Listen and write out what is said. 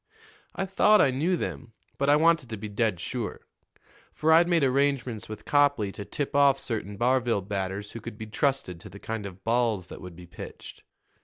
"I thought I knew them, but I wanted to be dead sure; for I'd made arrangements with Copley to tip off certain Barville batters who could be trusted to the kind of balls that would be pitched.